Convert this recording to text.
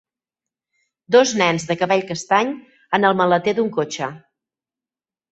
Dos nens de cabell castany en el maleter d'un cotxe.